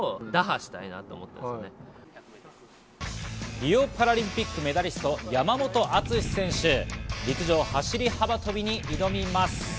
リオパラリンピックメダリストの山本篤選手、陸上・走り幅跳びに挑みます。